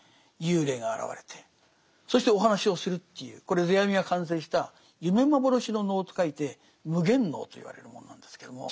幽霊が現れてそしてお話をするというこれ世阿弥が完成した夢幻の能と書いて「夢幻能」と言われるものなんですけども。